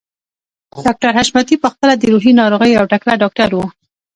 ډاکټر حشمتي په خپله د روحي ناروغيو يو تکړه ډاکټر و.